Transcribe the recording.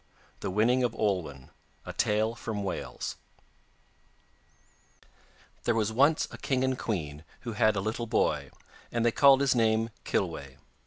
The Winning of Olwen There was once a king and queen who had a little boy, and they called his name Kilweh.